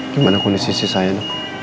gimana kondisi si sayan